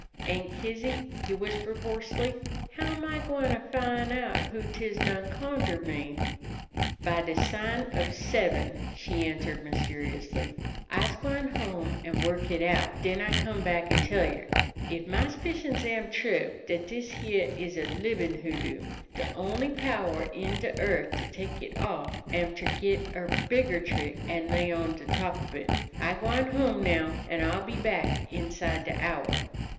"Aunt Kizzy," he whispered hoarsely, "how am I gwine to fin' out who 't is done conjured me?" "By de sign ob seben," she answered mysteriously. "I's gwine home an' work hit out, den I come back an' tell yer. Ef my 'spicions am true, dat dis heah is a libin' hoodoo, de only power in de earth to tek it off am ter git er bigger trick an' lay on de top ob hit. I'm gwine home now, an' I'll be back inside de hour."